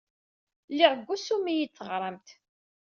Lliɣ deg wusu mi iyi-d-teɣramt.